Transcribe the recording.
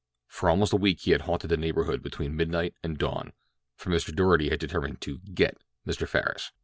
For almost a week he had haunted the neighborhood between midnight and dawn, for Mr. Doarty had determined to "get" Mr. Farris.